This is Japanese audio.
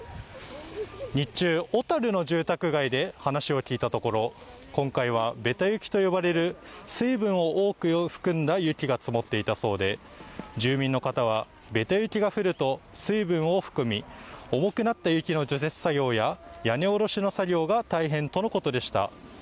日中、小樽の住宅街で話を聞いたところ今回はベタ雪と呼ばれる水分を多く含んだ雪が積もっていたそうで、住民の方は、ベタ雪が降ると水分を含み重くなった雪の除雪作業や屋根下ろしの作業が大変とのことでした。